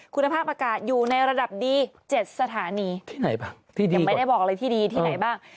คุณภาพอากาศอยู่ในระดับดี๗สถานียังไม่ได้บอกเลยที่ดีที่ไหนบ้าง